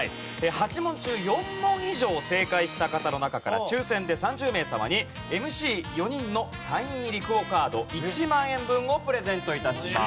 ８問中４問以上正解した方の中から抽選で３０名様にＭＣ４人のサイン入りＱＵＯカード１万円分をプレゼント致します。